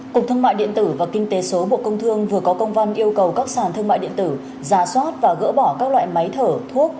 cục thương mại điện tử và kinh tế số bộ công thương vừa có công văn yêu cầu các sàn thương mại điện tử giả soát và gỡ bỏ các loại máy thở thuốc